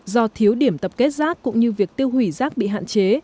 do thiếu điểm tập kết rác cũng như việc tiêu hủy rác bị hạn chế